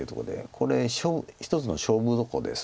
これ一つの勝負どころです。